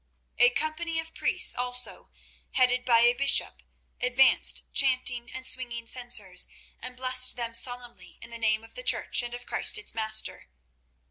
A company of priests also, headed by a bishop, advanced chanting and swinging censers, and blessed them solemnly in the name of the Church and of Christ its Master.